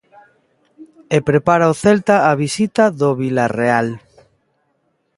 E prepara o Celta a visita do Vilarreal.